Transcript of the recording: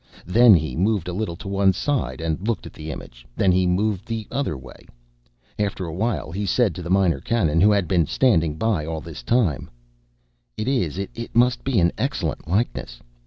Then he moved a little to one side and looked at the image, then he moved the other way. After a while he said to the Minor Canon, who had been standing by all this time: "It is, it must be, an excellent likeness!